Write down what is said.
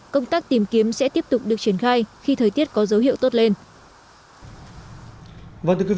công tác tìm kiếm sẽ tiếp tục được triển khai khi thời tiết có dấu hiệu tốt lên